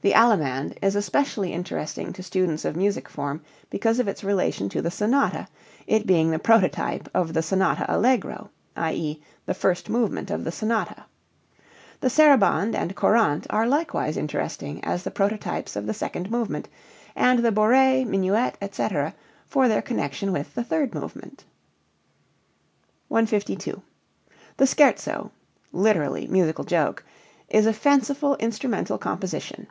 The allemande is especially interesting to students of music form because of its relation to the sonata, it being the prototype of the sonata allegro (i.e., the first movement of the sonata). The sarabande and courante are likewise interesting as the prototypes of the second movement, and the bourée, minuet, etc., for their connection with the third movement. 152. The scherzo (lit. musical joke) is a fanciful instrumental composition.